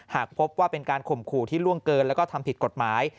หากพบว่าเป็นการข่มขู่ที่ล่วงเกินแล้วก็ทำผิดกฎหมาย